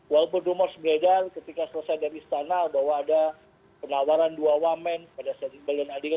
walaupun rumus mengedal ketika selesai dari istana bahwa ada penawaran dua woman pada seri belian adegan